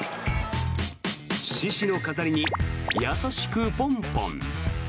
獅子の飾りに優しくポンポン。